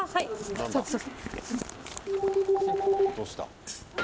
どうした？